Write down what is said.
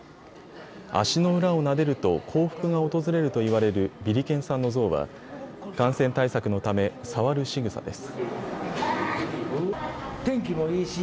足の裏をなでると幸福が訪れるといわれるビリケンさんの像は感染対策のため、触るしぐさです。